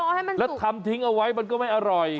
ให้มันแล้วทำทิ้งเอาไว้มันก็ไม่อร่อย